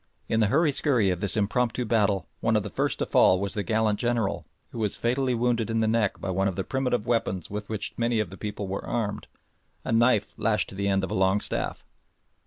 In the hurry skurry of this impromptu battle, one of the first to fall was the gallant General, who was fatally wounded in the neck by one of the primitive weapons with which many of the people were armed a knife lashed to the end of a long staff.